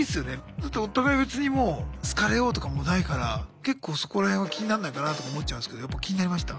だってお互い別にもう好かれようとかもないから結構そこら辺は気になんないかなとか思っちゃうんですけどやっぱ気になりました？